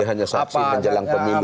hanya saksi menjelang pemilu